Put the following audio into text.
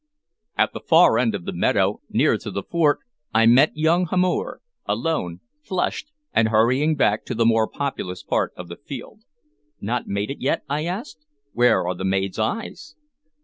At the far end of the meadow, near to the fort, I met young Hamor, alone, flushed, and hurrying back to the more populous part of the field. "Not yet mated?" I asked. "Where are the maids' eyes?"